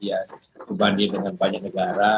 ya dibanding dengan banyak negara